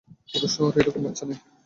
পুরো শহরে এরকম বাচ্চা নেই।